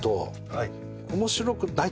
はい。